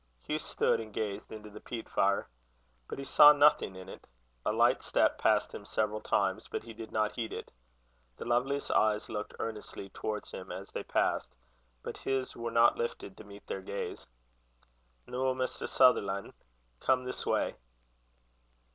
Hugh stood, and gazed into the peat fire. But he saw nothing in it. A light step passed him several times, but he did not heed it. The loveliest eyes looked earnestly towards him as they passed, but his were not lifted to meet their gaze. "Noo, Maister Sutherlan', come this way."